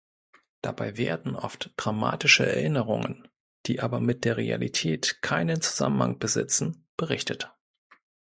Dabei werden oft dramatische Erinnerungen, die aber mit der Realität keinen Zusammenhang besitzen, berichtet.